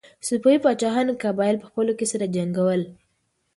صفوي پاچاهانو قبایل په خپلو کې سره جنګول.